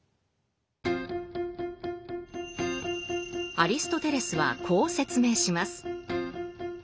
アリストテレスはこう説明します。